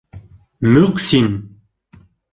— Мөҡсин!